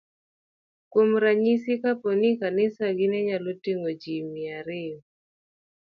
Kuom ranyisi, kapo ni kanisagi ne nyalo ting'o ji mia ariyo,